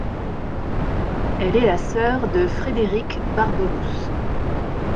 Elle est la sœur de Frédéric Barberousse.